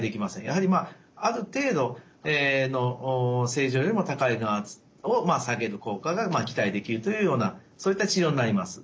やはりある程度の正常よりも高い眼圧を下げる効果が期待できるというようなそういった治療になります。